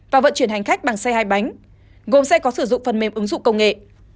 và vận chuyển hành khách bằng xe hai bánh gồm xe có sử dụng phần mềm ứng dụng công nghệ